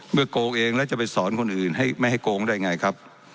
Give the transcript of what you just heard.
โกงเองแล้วจะไปสอนคนอื่นให้ไม่ให้โกงได้ไงครับ